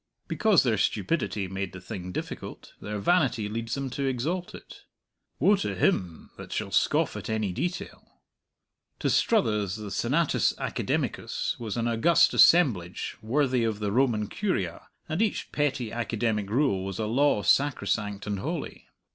Because their stupidity made the thing difficult, their vanity leads them to exalt it. Woe to him that shall scoff at any detail! To Struthers the Senatus Academicus was an august assemblage worthy of the Roman Curia, and each petty academic rule was a law sacrosanct and holy.